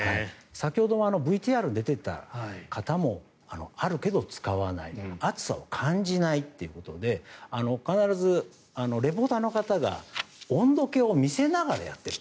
先ほどのＶＴＲに出ていた方もあるけど使わない暑さを感じないということで必ずリポーターの方が温度計を見せながらやっている。